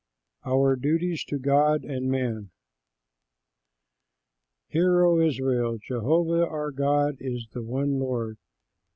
OUR DUTIES TO GOD AND MAN Hear O Israel: Jehovah our God is the one Lord.